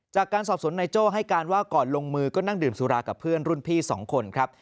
จากการสอบสวนนายโจ้ให้การว่าก่อนลงมือก็นั่งดื่มสุรากับเพื่อนรุ่นพี่๒คนครับ